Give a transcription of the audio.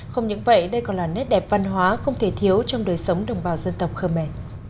không những vậy đây còn là nét đẹp văn hóa không thể thiếu trong đời sống đồng bào dân tộc khơ me